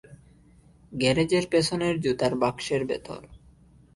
গ্যারেজের পেছনের জুতার বাক্সের ভেতর।